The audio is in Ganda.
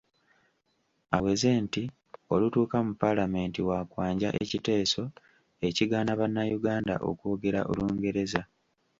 Aweze nti olutuuka mu Paalamenti waakwanja ekiteeso ekigaana bannayuganda okwogera Olungereza.